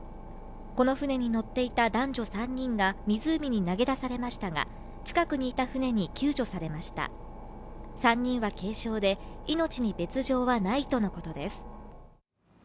この船に乗っていた男女３人が湖に投げ出されましたが近くにいた船に救助されました３人は軽傷で命に別条はないとのことです